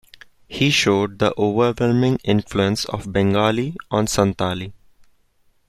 He showed the overwhelming influence of Bengali on Santhali.